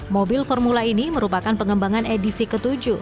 mobil formula ini merupakan pengembangan edisi ke tujuh